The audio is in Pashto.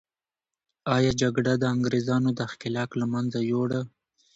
آیا جګړه د انګریزانو دښکیلاک له منځه یوړه؟